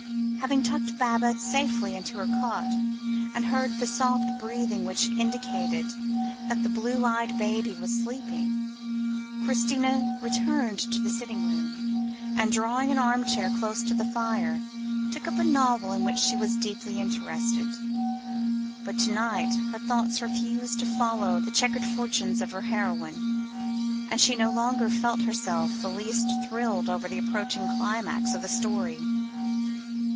Having tucked Baba safely into her cot, and heard the soft breathing which indicated that the blue eyed baby was sleeping, Christina returned to the sitting room, and drawing an armchair close to the fire, took up a novel in which she was deeply interested. But to night her thoughts refused to follow the chequered fortunes of her heroine, and she no longer felt herself the least thrilled over the approaching climax of the story.